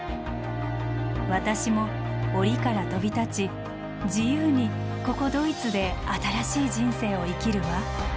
私も檻から飛び立ち自由にここドイツで新しい人生を生きるわ」。